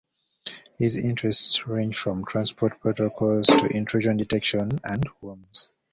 His interests range from transport protocols to intrusion detection and worms.